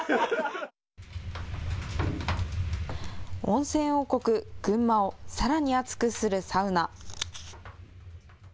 温泉王国・群馬をさらに熱くするサウナ。